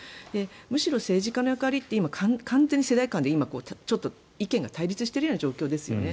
むしろ、政治家の役割は完全に世代間で意見が対立している状態ですよね。